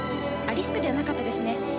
リスクではなかったですね。